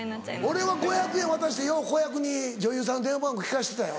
俺は５００円渡してよう子役に女優さんの電話番号聞かせてたよ